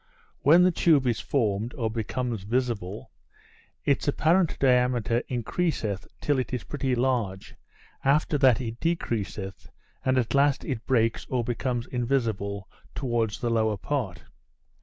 When the tube is formed, or becomes visible, its apparent diameter increaseth till it is pretty large; after that it decreaseth, and at last it breaks or becomes invisible towards the lower part.